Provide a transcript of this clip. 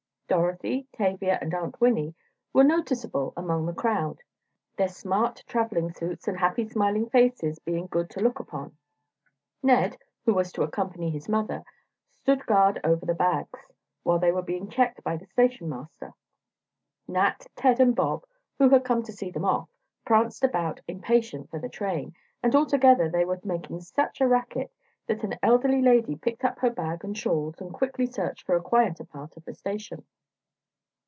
Dorothy, Tavia and Aunt Winnie were noticeable among the crowd, their smart travelling suits and happy smiling faces being good to look upon. Ned, who was to accompany his mother, stood guard over the bags, while they were being checked by the station master. Nat, Ted and Bob, who had come to see them off, pranced about, impatient for the train, and altogether they were making such a racket that an elderly lady picked up her bag and shawls, and quickly searched for a quieter part of the station.